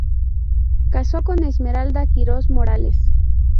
Casó con Esmeralda Quirós Morales.